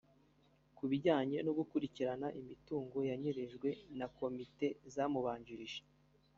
Ku bijyanye no gukurikirana imitungo yanyerejwe na komite zamubanjirije